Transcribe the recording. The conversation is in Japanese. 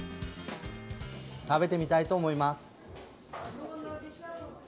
食べてみたいと思います。